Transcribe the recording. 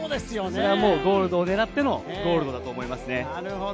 ゴールドを狙ってのゴールドだと思います。